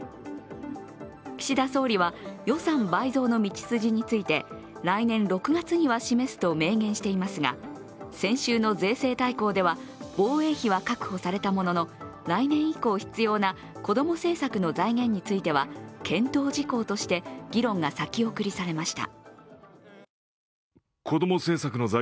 岸田総理は予算倍増の道筋について、来年６月には示すと明言していますが、先週の税制大綱では防衛費は確保されたものの、来年度以降必要な子ども政策の財源については検討事項として議論が先送りされました。